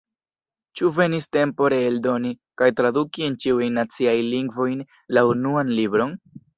Ĉu venis tempo reeldoni kaj traduki en ĉiujn naciajn lingvojn la Unuan Libron?